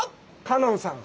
香音さん。